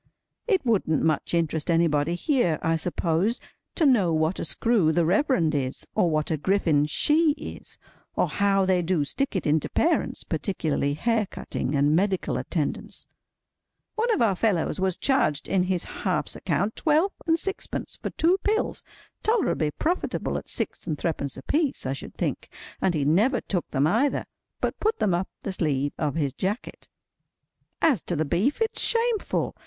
It wouldn't much interest anybody here, I suppose, to know what a screw the Reverend is, or what a griffin she is, or how they do stick it into parents—particularly hair cutting, and medical attendance. One of our fellows was charged in his half's account twelve and sixpence for two pills—tolerably profitable at six and threepence a piece, I should think—and he never took them either, but put them up the sleeve of his jacket. [Picture: Schoolboy with book: illustrated by Fred Walker] As to the beef, it's shameful.